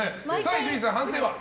伊集院さん、判定は？